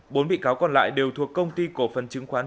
bốn bị cáo còn lại đều thuộc công ty cổ phần chứng khoán